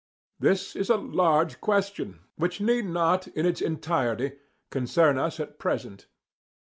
This is a large question, which need not, in its entirety, concern us at present.